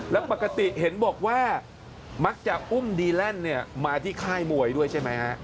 แล้วปกติเห็นบอกว่ามักจะอุ้มดีแลนด์มาที่ค่ายมวยด้วยใช่ไหมฮะ